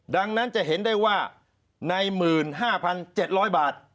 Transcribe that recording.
ดังนั้นจะเห็นได้ว่าใน๑๕๗๐๐บาท